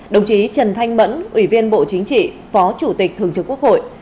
đồng chí trần thanh mẫn ủy viên bộ chính trị phó chủ tịch thường trực quốc hội